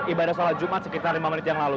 ibadah sholat jumat sekitar lima menit yang lalu